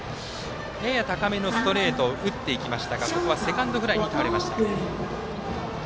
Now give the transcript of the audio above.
やや高めのストレートを打っていきましたが、ここはセカンドフライに倒れました。